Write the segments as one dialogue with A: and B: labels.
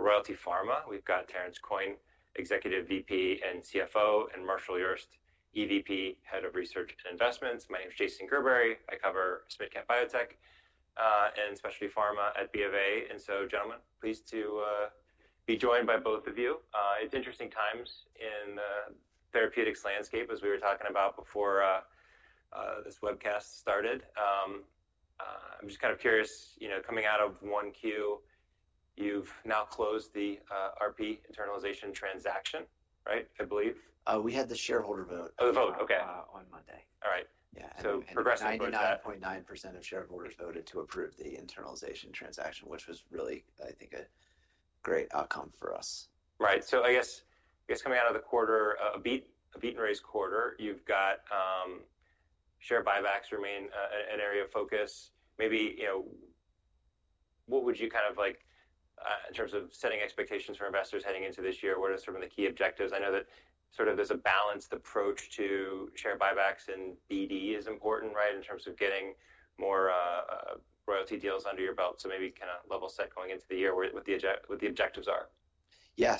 A: Royalty Pharma. We've got Terrance Coyne, Executive VP and CFO, and Marshall Urist, EVP, Head of Research and Investments. My name is Jason Gerberry. I cover Biotech and Specialty Pharma at BofA. Gentlemen, pleased to be joined by both of you. It's interesting times in the therapeutics landscape, as we were talking about before this webcast started. I'm just kind of curious, coming out of Q1, you've now closed the RP internalization transaction, right? I believe.
B: We had the shareholder vote.
A: Oh, the vote. Okay.
B: On Monday.
A: All right.
B: Yeah.
A: Progressively voted down.
B: 99.9% of shareholders voted to approve the internalization transaction, which was really, I think, a great outcome for us.
A: Right. So I guess coming out of the quarter, a beat-and-raise quarter, you've got share buybacks remain an area of focus. Maybe what would you kind of, in terms of setting expectations for investors heading into this year, what are some of the key objectives? I know that sort of there's a balanced approach to share buybacks and BD is important, right, in terms of getting more royalty deals under your belt. So maybe kind of level set going into the year what the objectives are.
B: Yeah.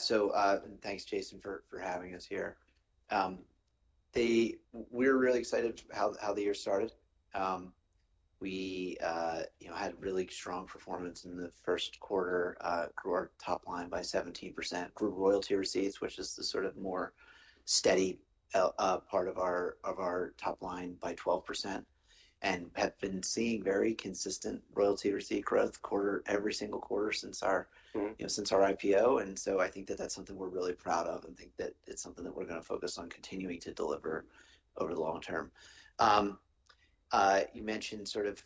B: Thanks, Jason, for having us here. We're really excited how the year started. We had really strong performance in the first quarter, grew our top line by 17%. Group royalty receipts, which is the sort of more steady part of our top line, by 12%, and have been seeing very consistent royalty receipt growth every single quarter since our IPO. I think that that's something we're really proud of and think that it's something that we're going to focus on continuing to deliver over the long term. You mentioned sort of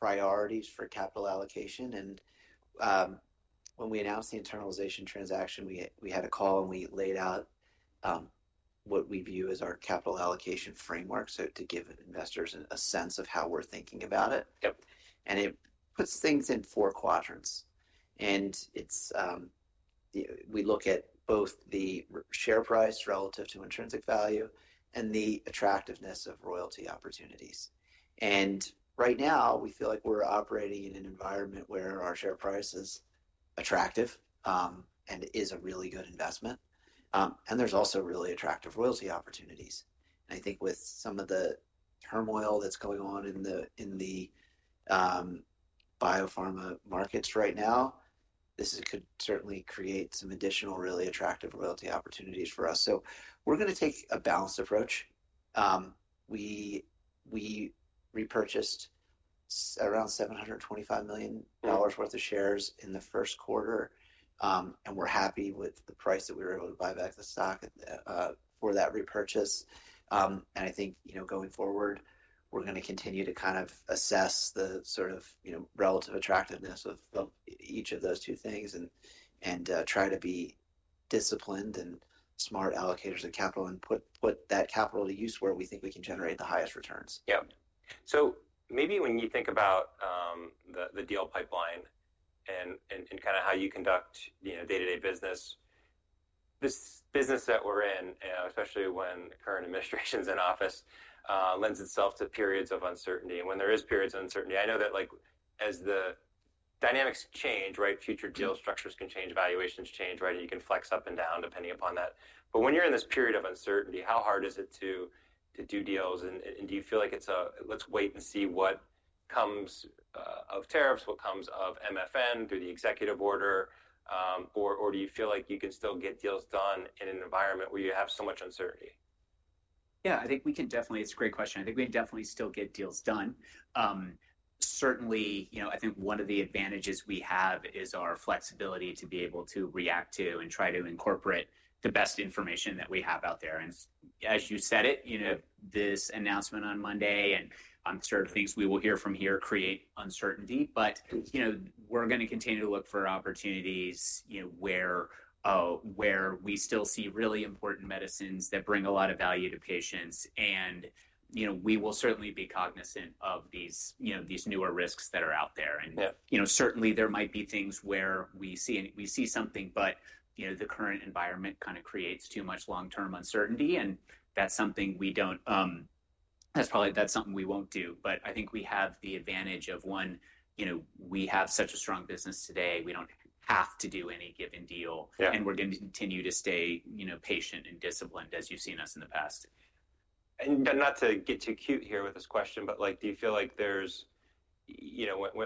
B: priorities for capital allocation. When we announced the internalization transaction, we had a call and we laid out what we view as our capital allocation framework, to give investors a sense of how we're thinking about it. It puts things in four quadrants. We look at both the share price relative to intrinsic value and the attractiveness of royalty opportunities. Right now, we feel like we're operating in an environment where our share price is attractive and is a really good investment. There's also really attractive royalty opportunities. I think with some of the turmoil that's going on in the biopharma markets right now, this could certainly create some additional really attractive royalty opportunities for us. We're going to take a balanced approach. We repurchased around $725 million worth of shares in the first quarter, and we're happy with the price that we were able to buy back the stock for that repurchase. I think going forward, we're going to continue to kind of assess the sort of relative attractiveness of each of those two things and try to be disciplined and smart allocators of capital and put that capital to use where we think we can generate the highest returns.
A: Yeah. Maybe when you think about the deal pipeline and kind of how you conduct day-to-day business, this business that we're in, especially when the current administration's in office, lends itself to periods of uncertainty. When there are periods of uncertainty, I know that as the dynamics change, right, future deal structures can change, valuations change, right, and you can flex up and down depending upon that. When you're in this period of uncertainty, how hard is it to do deals? Do you feel like it's a, let's wait and see what comes of tariffs, what comes of MFN through the executive order, or do you feel like you can still get deals done in an environment where you have so much uncertainty?
B: Yeah, I think we can definitely, it's a great question. I think we can definitely still get deals done. Certainly, I think one of the advantages we have is our flexibility to be able to react to and try to incorporate the best information that we have out there. As you said it, this announcement on Monday and sort of things we will hear from here create uncertainty, but we're going to continue to look for opportunities where we still see really important medicines that bring a lot of value to patients. We will certainly be cognizant of these newer risks that are out there. Certainly, there might be things where we see something, but the current environment kind of creates too much long-term uncertainty. That's something we don't, that's probably something we won't do. I think we have the advantage of, one, we have such a strong business today. We do not have to do any given deal. We are going to continue to stay patient and disciplined as you have seen us in the past.
A: Not to get too cute here with this question, but do you feel like there's,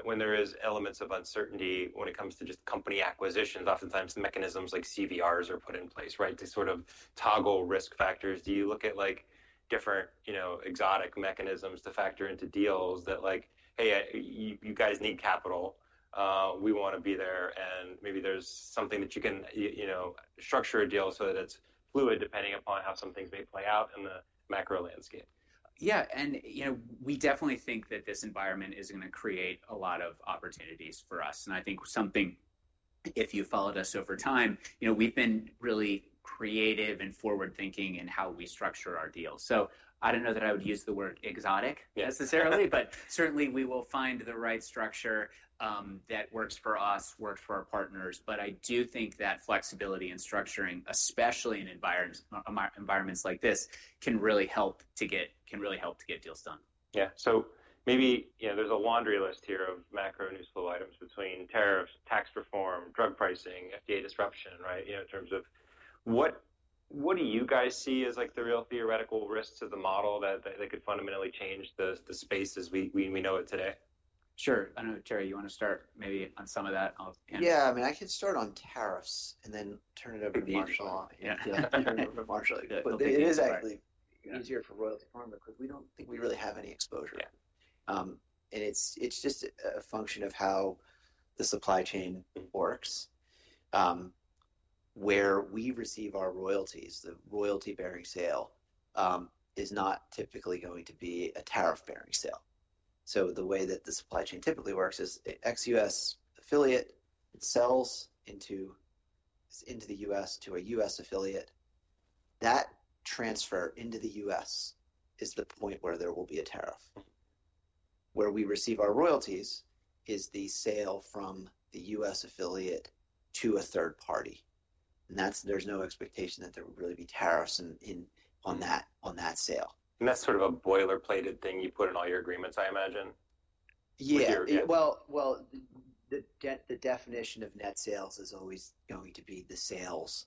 A: when there are elements of uncertainty when it comes to just company acquisitions, oftentimes mechanisms like CVRs are put in place, right, to sort of toggle risk factors. Do you look at different exotic mechanisms to factor into deals that, like, hey, you guys need capital. We want to be there. And maybe there's something that you can structure a deal so that it's fluid depending upon how some things may play out in the macro landscape.
B: Yeah. We definitely think that this environment is going to create a lot of opportunities for us. I think something, if you followed us over time, we've been really creative and forward-thinking in how we structure our deals. I do not know that I would use the word exotic necessarily, but certainly we will find the right structure that works for us, works for our partners. I do think that flexibility in structuring, especially in environments like this, can really help to get deals done.
A: Yeah. Maybe there's a laundry list here of macro newsflow items between tariffs, tax reform, drug pricing, FDA disruption, right, in terms of what do you guys see as the real theoretical risks of the model that could fundamentally change the space as we know it today?
B: Sure. I do not know, Terry, you want to start maybe on some of that?
C: Yeah. I mean, I can start on tariffs and then turn it over to Marshall.
B: Yeah. Yeah.
C: It is actually easier for Royalty Pharma because we do not think we really have any exposure. It is just a function of how the supply chain works. Where we receive our royalties, the royalty-bearing sale is not typically going to be a tariff-bearing sale. The way that the supply chain typically works is XUS affiliate sells into the U.S. to a U.S. affiliate. That transfer into the U.S. is the point where there will be a tariff. Where we receive our royalties is the sale from the U.S. affiliate to a third party. There is no expectation that there will really be tariffs on that sale.
A: That's sort of a boilerplated thing you put in all your agreements, I imagine?
C: Yeah. The definition of net sales is always going to be the sales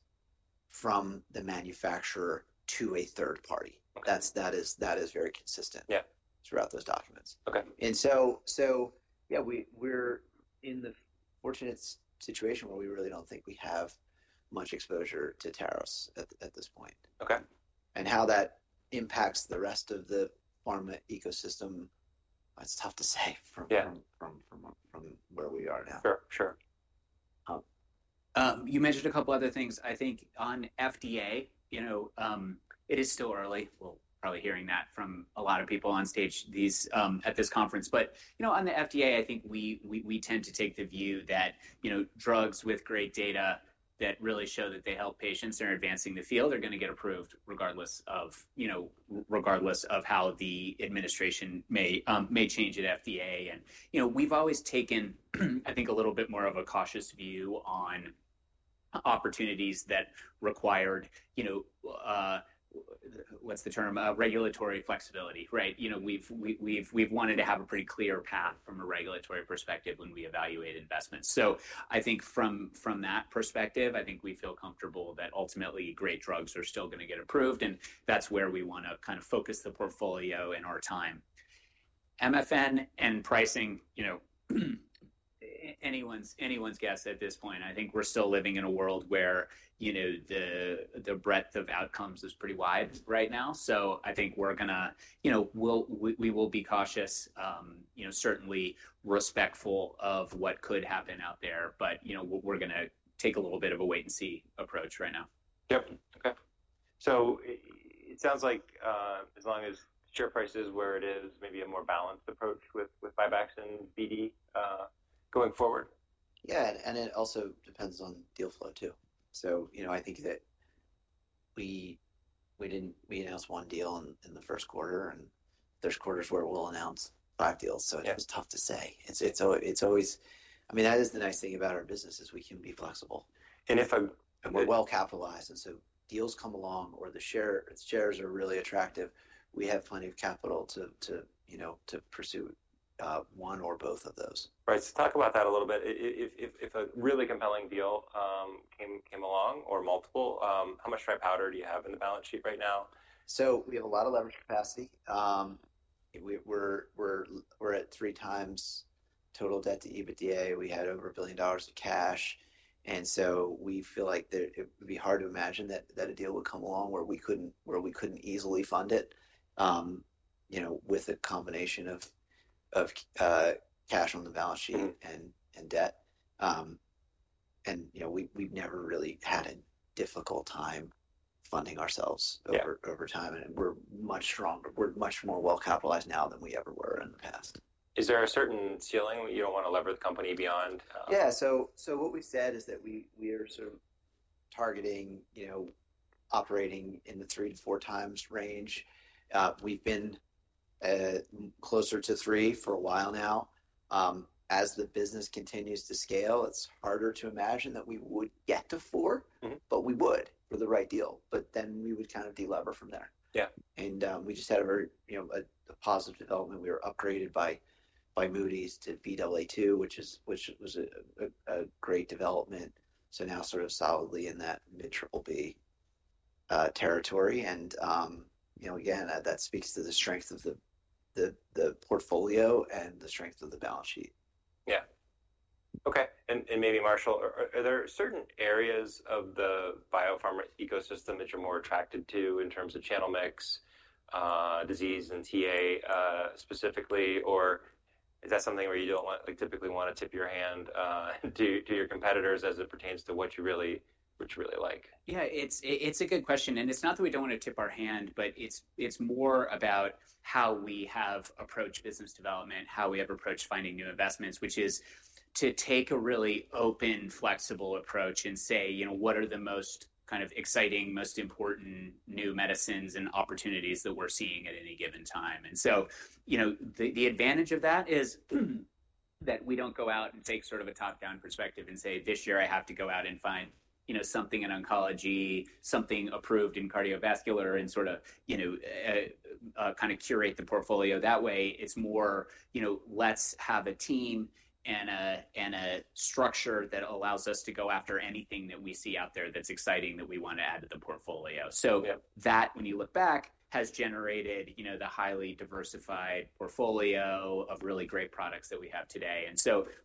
C: from the manufacturer to a third party. That is very consistent throughout those documents. Yeah, we're in the fortunate situation where we really do not think we have much exposure to tariffs at this point. How that impacts the rest of the pharma ecosystem, it's tough to say from where we are now.
A: Sure. Sure.
B: You mentioned a couple of other things. I think on FDA, it is still early. We'll probably be hearing that from a lot of people on stage at this conference. On the FDA, I think we tend to take the view that drugs with great data that really show that they help patients, are advancing the field, are going to get approved regardless of how the administration may change at FDA. We've always taken, I think, a little bit more of a cautious view on opportunities that required, what's the term, regulatory flexibility, right? We've wanted to have a pretty clear path from a regulatory perspective when we evaluate investments. From that perspective, I think we feel comfortable that ultimately great drugs are still going to get approved. That's where we want to kind of focus the portfolio and our time. MFN and pricing, anyone's guess at this point. I think we're still living in a world where the breadth of outcomes is pretty wide right now. I think we're going to, we will be cautious, certainly respectful of what could happen out there, but we're going to take a little bit of a wait-and-see approach right now.
A: Yep. Okay. It sounds like as long as share price is where it is, maybe a more balanced approach with buybacks and BD going forward.
C: Yeah. It also depends on deal flow too. I think that we announced one deal in the first quarter, and there are quarters where we will announce five deals. It is tough to say. That is the nice thing about our business, we can be flexible.
A: And if.
B: We're well capitalized. If deals come along or the shares are really attractive, we have plenty of capital to pursue one or both of those.
A: Right. Talk about that a little bit. If a really compelling deal came along or multiple, how much dry powder do you have in the balance sheet right now?
B: We have a lot of leverage capacity. We're at three times total debt to EBITDA. We had over $1 billion of cash. We feel like it would be hard to imagine that a deal would come along where we couldn't easily fund it with a combination of cash on the balance sheet and debt. We've never really had a difficult time funding ourselves over time. We're much stronger. We're much more well capitalized now than we ever were in the past.
A: Is there a certain ceiling you don't want to lever the company beyond?
B: Yeah. So what we've said is that we are sort of targeting operating in the three to four times range. We've been closer to three for a while now. As the business continues to scale, it's harder to imagine that we would get to four, but we would for the right deal. We would kind of de-lever from there. We just had a very positive development. We were upgraded by Moody's to Baa2, which was a great development. Now sort of solidly in that mid BBB territory. Again, that speaks to the strength of the portfolio and the strength of the balance sheet.
A: Yeah. Okay. Maybe Marshall, are there certain areas of the biopharma ecosystem that you're more attracted to in terms of channel mix, disease, and TA specifically, or is that something where you don't typically want to tip your hand to your competitors as it pertains to what you really like?
B: Yeah, it's a good question. It's not that we don't want to tip our hand, but it's more about how we have approached business development, how we have approached finding new investments, which is to take a really open, flexible approach and say, what are the most kind of exciting, most important new medicines and opportunities that we're seeing at any given time? The advantage of that is that we don't go out and take sort of a top-down perspective and say, this year, I have to go out and find something in oncology, something approved in cardiovascular, and sort of kind of curate the portfolio. That way, it's more, let's have a team and a structure that allows us to go after anything that we see out there that's exciting that we want to add to the portfolio. That, when you look back, has generated the highly diversified portfolio of really great products that we have today.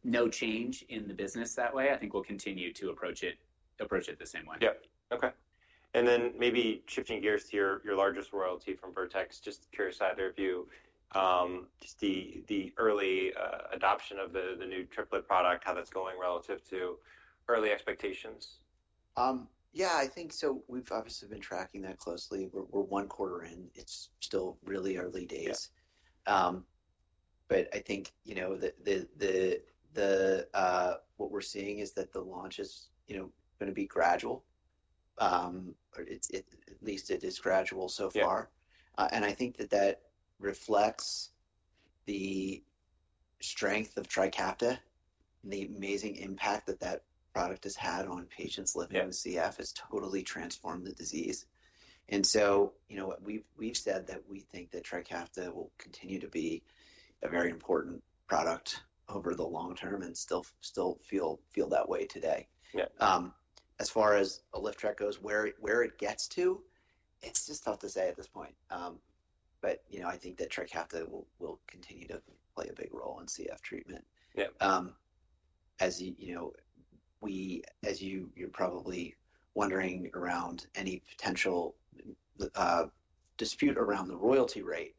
B: No change in the business that way. I think we'll continue to approach it the same way.
A: Yep. Okay. Maybe shifting gears to your largest royalty from Vertex, just curious either of you, just the early adoption of the new triplet product, how that's going relative to early expectations.
C: Yeah, I think so. We've obviously been tracking that closely. We're one quarter in. It's still really early days. I think what we're seeing is that the launch is going to be gradual. At least it is gradual so far. I think that reflects the strength of Trikafta, the amazing impact that that product has had on patients living with CF. It has totally transformed the disease. We've said that we think that Trikafta will continue to be a very important product over the long term and still feel that way today. As far as Alyftuca goes, where it gets to, it's just tough to say at this point. I think that Trikafta will continue to play a big role in CF treatment. As you're probably wondering around any potential dispute around the royalty rate,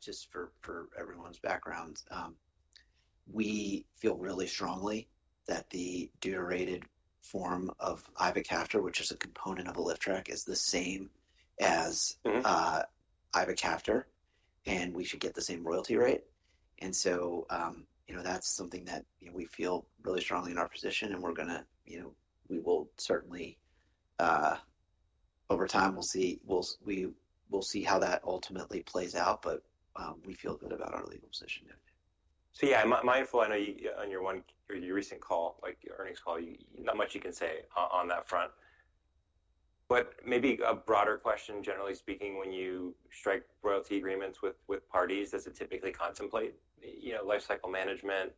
C: just for everyone's background, we feel really strongly that the deuterated form of Ivacaftor, which is a component of Alyftuca, is the same as Ivacaftor, and we should get the same royalty rate. That is something that we feel really strongly in our position, and we are going to, we will certainly, over time, we will see how that ultimately plays out, but we feel good about our legal position.
A: Yeah, mindful, I know on your recent earnings call, not much you can say on that front. Maybe a broader question, generally speaking, when you strike royalty agreements with parties, does it typically contemplate lifecycle management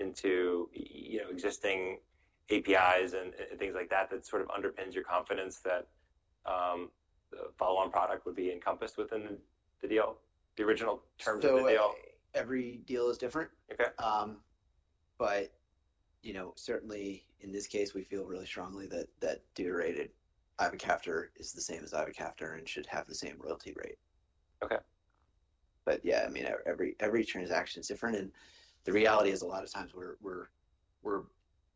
A: into existing APIs and things like that that sort of underpins your confidence that the follow-on product would be encompassed within the deal, the original terms of the deal?
C: Every deal is different. But certainly, in this case, we feel really strongly that deuterated Ivacaftor is the same as Ivacaftor and should have the same royalty rate. But yeah, I mean, every transaction is different. The reality is a lot of times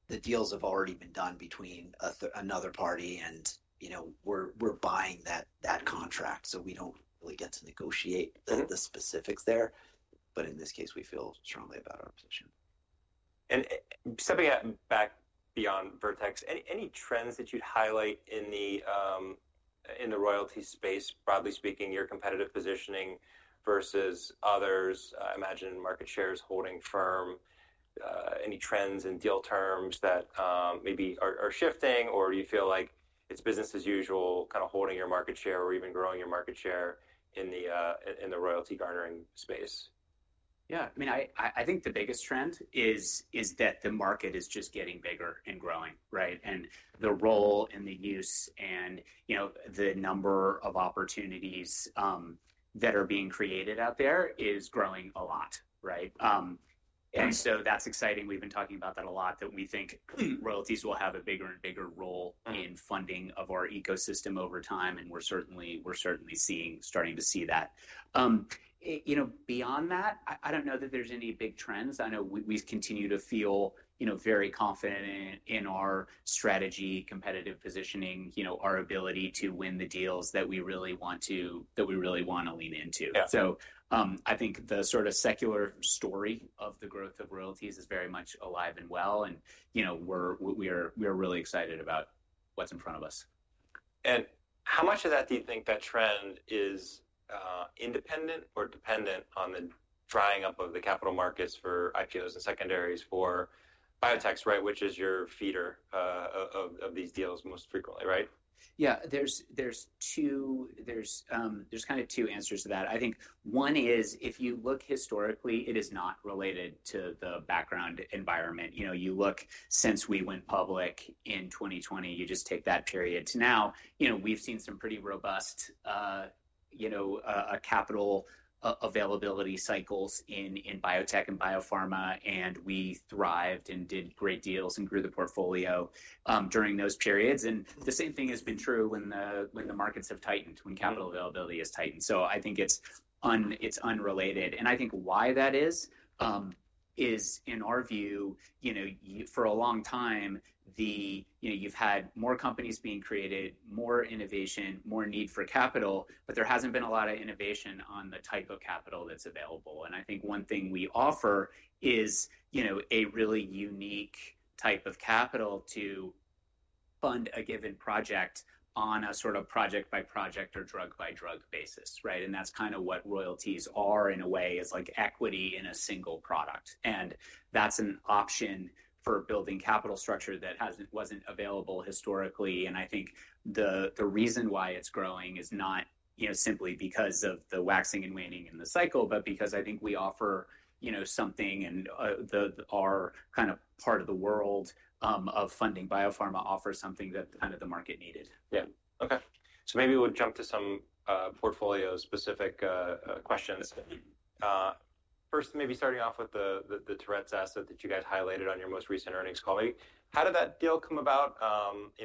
C: the deals have already been done between another party, and we're buying that contract. We do not really get to negotiate the specifics there. In this case, we feel strongly about our position.
A: Stepping back beyond Vertex, any trends that you'd highlight in the royalty space, broadly speaking, your competitive positioning versus others, imagine market share is holding firm, any trends in deal terms that maybe are shifting, or you feel like it's business as usual kind of holding your market share or even growing your market share in the royalty garnering space?
B: Yeah. I mean, I think the biggest trend is that the market is just getting bigger and growing, right? The role in the use and the number of opportunities that are being created out there is growing a lot, right? That is exciting. We've been talking about that a lot, that we think royalties will have a bigger and bigger role in funding of our ecosystem over time. We're certainly starting to see that. Beyond that, I don't know that there's any big trends. I know we continue to feel very confident in our strategy, competitive positioning, our ability to win the deals that we really want to, that we really want to lean into. I think the sort of secular story of the growth of royalties is very much alive and well. We are really excited about what's in front of us.
A: How much of that do you think that trend is independent or dependent on the drying up of the capital markets for IPOs and secondaries for biotechs, right, which is your feeder of these deals most frequently, right?
B: Yeah. There are kind of two answers to that. I think one is if you look historically, it is not related to the background environment. You look since we went public in 2020, you just take that period to now. We have seen some pretty robust capital availability cycles in biotech and biopharma, and we thrived and did great deals and grew the portfolio during those periods. The same thing has been true when the markets have tightened, when capital availability has tightened. I think it is unrelated. I think why that is, is in our view, for a long time, you have had more companies being created, more innovation, more need for capital, but there has not been a lot of innovation on the type of capital that is available. I think one thing we offer is a really unique type of capital to fund a given project on a sort of project-by-project or drug-by-drug basis, right? That is kind of what royalties are in a way. It is like equity in a single product. That is an option for building capital structure that was not available historically. I think the reason why it is growing is not simply because of the waxing and waning in the cycle, but because I think we offer something and our kind of part of the world of funding biopharma offers something that kind of the market needed.
A: Yeah. Okay. Maybe we'll jump to some portfolio-specific questions. First, maybe starting off with the Terence asset that you guys highlighted on your most recent earnings call. How did that deal come about?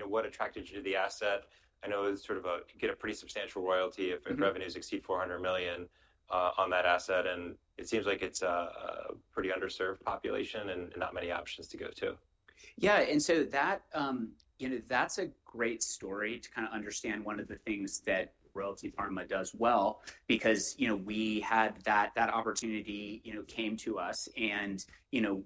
A: What attracted you to the asset? I know it's sort of a pretty substantial royalty if revenues exceed $400 million on that asset. It seems like it's a pretty underserved population and not many options to go to.
B: Yeah. That is a great story to kind of understand one of the things that Royalty Pharma does well because we had that opportunity come to us, and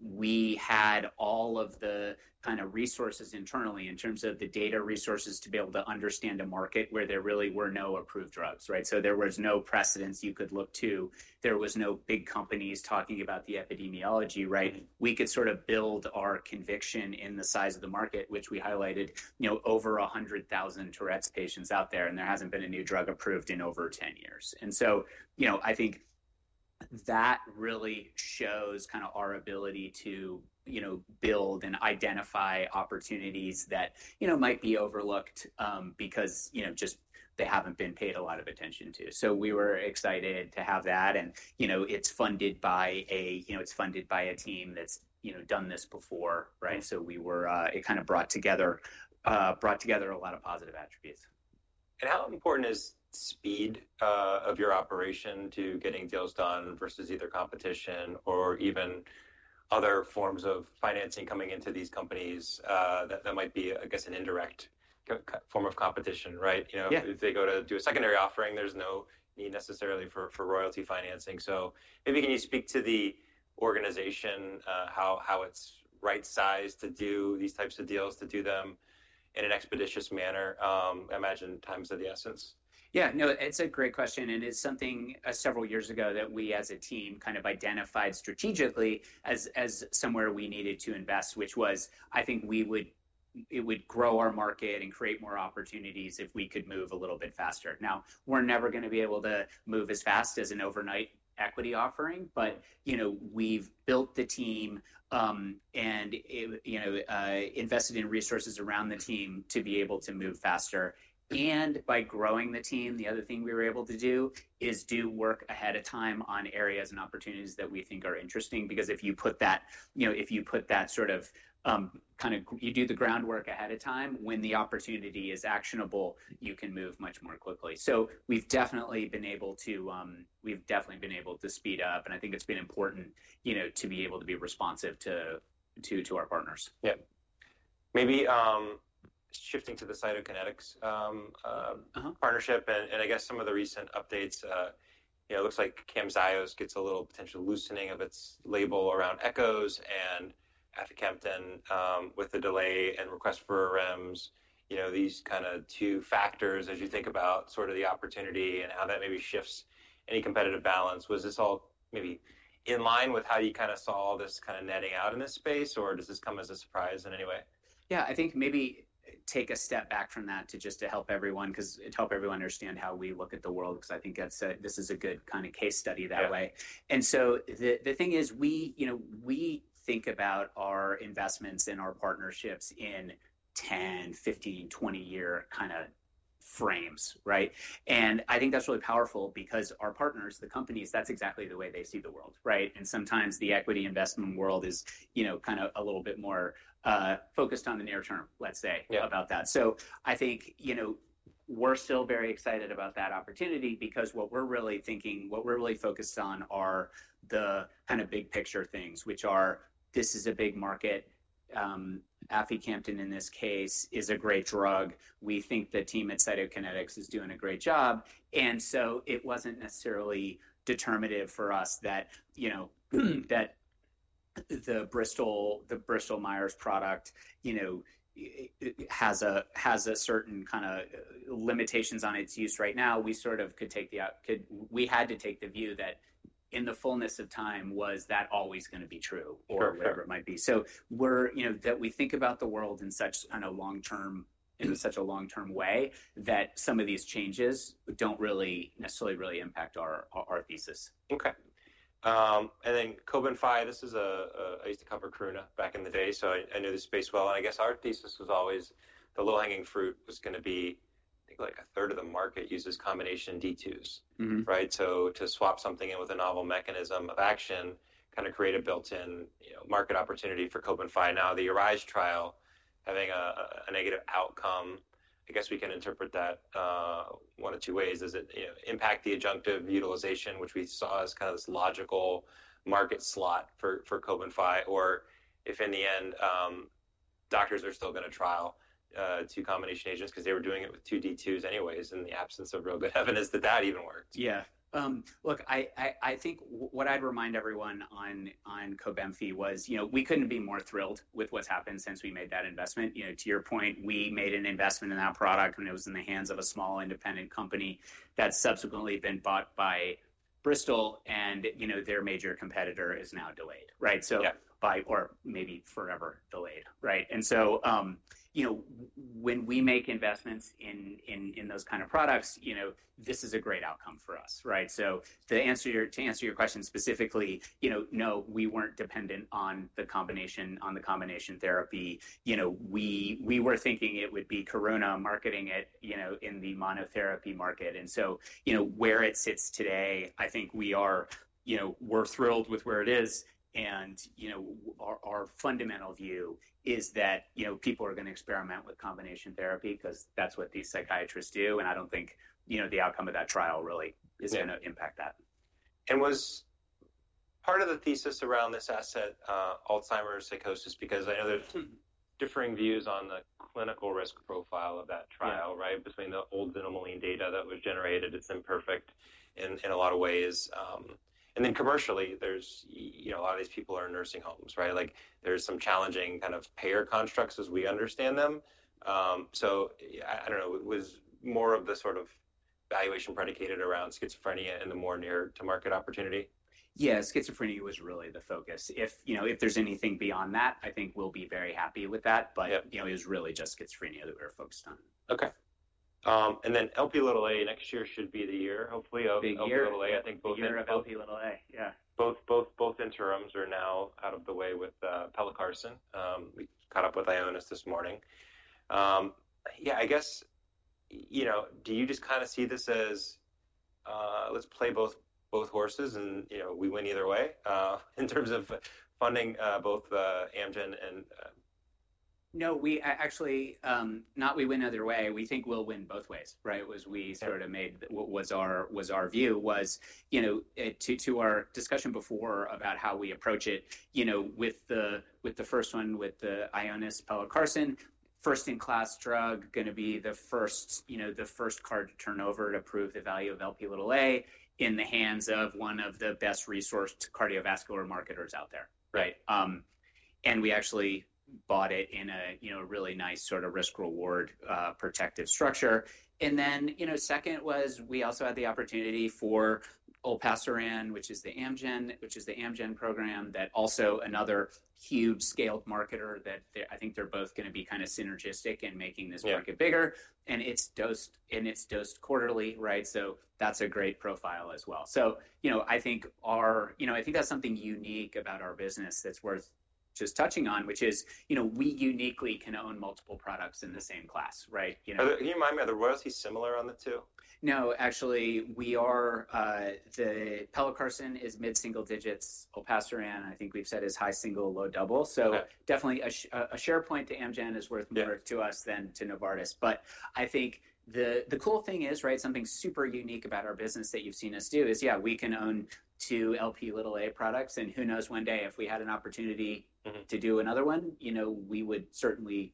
B: we had all of the kind of resources internally in terms of the data resources to be able to understand a market where there really were no approved drugs, right? There was no precedent you could look to. There were no big companies talking about the epidemiology, right? We could sort of build our conviction in the size of the market, which we highlighted, over 100,000 patients out there, and there has not been a new drug approved in over 10 years. I think that really shows our ability to build and identify opportunities that might be overlooked because they just have not been paid a lot of attention to. We were excited to have that. It is funded by a team that's done this before, right? It kind of brought together a lot of positive attributes.
A: How important is speed of your operation to getting deals done versus either competition or even other forms of financing coming into these companies that might be, I guess, an indirect form of competition, right? If they go to do a secondary offering, there is no need necessarily for royalty financing. Maybe can you speak to the organization, how it is right-sized to do these types of deals, to do them in an expeditious manner? I imagine time is of the essence.
B: Yeah. No, it's a great question. It's something several years ago that we as a team kind of identified strategically as somewhere we needed to invest, which was, I think it would grow our market and create more opportunities if we could move a little bit faster. We're never going to be able to move as fast as an overnight equity offering, but we've built the team and invested in resources around the team to be able to move faster. By growing the team, the other thing we were able to do is do work ahead of time on areas and opportunities that we think are interesting because if you put that sort of, kind of, you do the groundwork ahead of time, when the opportunity is actionable, you can move much more quickly. We've definitely been able to, we've definitely been able to speed up. I think it's been important to be able to be responsive to our partners.
A: Yeah. Maybe shifting to the Cytokinetics partnership. I guess some of the recent updates, it looks like CAMZYOS gets a little potential loosening of its label around echoes and aficamten with the delay and request for REMS. These kind of two factors, as you think about sort of the opportunity and how that maybe shifts any competitive balance, was this all maybe in line with how you kind of saw this kind of netting out in this space, or does this come as a surprise in any way?
B: Yeah, I think maybe take a step back from that just to help everyone because it helps everyone understand how we look at the world because I think this is a good kind of case study that way. The thing is we think about our investments and our partnerships in 10-, 15-, 20-year kind of frames, right? I think that's really powerful because our partners, the companies, that's exactly the way they see the world, right? Sometimes the equity investment world is kind of a little bit more focused on the near term, let's say, about that. I think we're still very excited about that opportunity because what we're really thinking, what we're really focused on are the kind of big picture things, which are this is a big market. Aficamten in this case is a great drug. We think the team at Cytokinetics is doing a great job. It was not necessarily determinative for us that the Bristol Myers product has a certain kind of limitations on its use right now. We sort of could take the, we had to take the view that in the fullness of time was that always going to be true or whatever it might be. We think about the world in such a long-term way that some of these changes do not really necessarily impact our thesis.
A: Okay. And then COBENFY, this is a, I used to cover Karuna back in the day. So I know this space well. I guess our thesis was always the low-hanging fruit was going to be, I think like a third of the market uses combination D2s, right? To swap something in with a novel mechanism of action, kind of create a built-in market opportunity for COBENFY. Now, the Urige trial having a negative outcome, I guess we can interpret that one of two ways. Does it impact the adjunctive utilization, which we saw as kind of this logical market slot for COBENFY, or if in the end, doctors are still going to trial two combination agents because they were doing it with two D2s anyways in the absence of real good evidence that that even worked?
B: Yeah. Look, I think what I'd remind everyone on COBENFY was we couldn't be more thrilled with what's happened since we made that investment. To your point, we made an investment in that product, and it was in the hands of a small independent company that's subsequently been bought by Bristol Myers Squibb, and their major competitor is now delayed, right? By or maybe forever delayed, right? When we make investments in those kind of products, this is a great outcome for us, right? To answer your question specifically, no, we weren't dependent on the combination therapy. We were thinking it would be Karuna marketing it in the monotherapy market. Where it sits today, I think we are thrilled with where it is. Our fundamental view is that people are going to experiment with combination therapy because that's what these psychiatrists do. I don't think the outcome of that trial really is going to impact that.
A: Was part of the thesis around this asset Alzheimer's psychosis, because I know there's differing views on the clinical risk profile of that trial, right, between the old xanomeline data that was generated. It's imperfect in a lot of ways. Then commercially, a lot of these people are in nursing homes, right? There are some challenging kind of payer constructs as we understand them. I don't know. Was more of the sort of valuation predicated around schizophrenia and the more near-to-market opportunity?
B: Yeah. Schizophrenia was really the focus. If there's anything beyond that, I think we'll be very happy with that. It was really just schizophrenia that we were focused on.
A: Okay. Lp(a) next year should be the year, hopefully.
B: Big year.
A: Lp(a), I think both.
B: Big year of Lp(a), yeah.
A: Both interims are now out of the way with pelacarsen. We caught up with Ionis this morning. Yeah, I guess, do you just kind of see this as let's play both horses and we win either way in terms of funding both Amgen and?
B: No, we actually not we win either way. We think we'll win both ways, right, was we sort of made was our view was to our discussion before about how we approach it with the first one with the Ionis pelacarsen, first-in-class drug, going to be the first card turnover to prove the value of Lp(a) in the hands of one of the best-resourced cardiovascular marketers out there, right? We actually bought it in a really nice sort of risk-reward protective structure. Second was we also had the opportunity for olpasiran, which is the Amgen, which is the Amgen program, that also another huge scaled marketer that I think they're both going to be kind of synergistic in making this market bigger. It is dosed quarterly, right? That is a great profile as well. I think that's something unique about our business that's worth just touching on, which is we uniquely can own multiple products in the same class, right?
A: Can you remind me, are the royalties similar on the two?
B: No, actually, we are, the pelacarsen is mid-single digits. Olpasiran, I think we've said is high single, low double. Definitely a SharePoint to Amgen is worth more to us than to Novartis. I think the cool thing is, right, something super unique about our business that you've seen us do is, yeah, we can own two Lp(a) products. Who knows, one day if we had an opportunity to do another one, we would certainly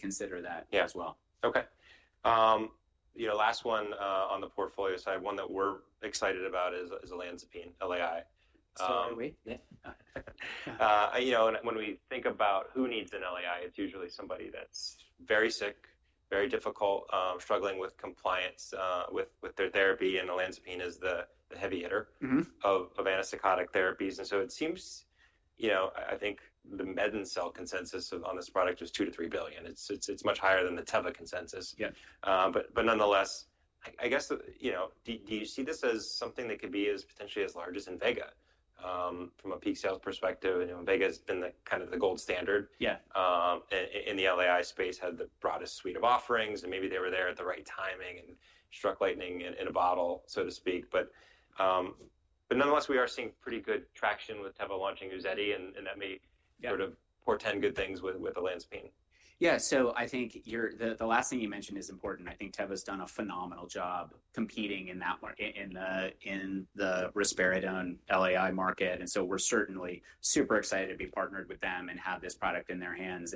B: consider that as well.
A: Okay. Last one on the portfolio side, one that we're excited about is olanzapine LAI.
B: Are we?
A: When we think about who needs an LAI, it's usually somebody that's very sick, very difficult, struggling with compliance with their therapy. And olanzapine is the heavy hitter of antipsychotic therapies. And so it seems, I think the MedinCell consensus on this product is $2 billion-$3 billion. It's much higher than the Teva consensus. But nonetheless, I guess, do you see this as something that could be potentially as large as Invega from a peak sales perspective? Invega has been kind of the gold standard in the LAI space, had the broadest suite of offerings, and maybe they were there at the right timing and struck lightning in a bottle, so to speak. But nonetheless, we are seeing pretty good traction with Teva launching Uzedy, and that may sort of portend good things with olanzapine.
B: Yeah. I think the last thing you mentioned is important. I think Teva has done a phenomenal job competing in that market, in the risperidone LAI market. We are certainly super excited to be partnered with them and have this product in their hands.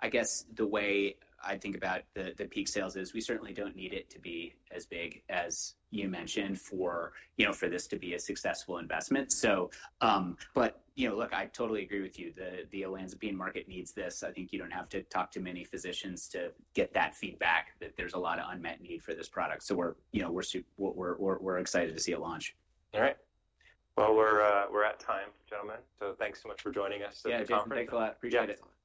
B: I guess the way I think about the peak sales is we certainly do not need it to be as big, as you mentioned, for this to be a successful investment. I totally agree with you. The olanzapine market needs this. I think you do not have to talk to many physicians to get that feedback that there is a lot of unmet need for this product. We are excited to see a launch.
A: All right. We are at time, gentlemen. Thanks so much for joining us at the conference.
B: Yeah, thank you, Nicola. Appreciate it.